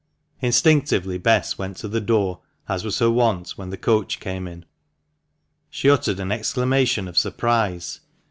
Instinctively Bess went to the door, as was her wont, when the coach came in. She uttered an exclamation of surprise.